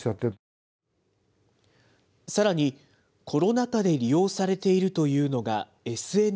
さらにコロナ禍で利用されているというのが、ＳＮＳ。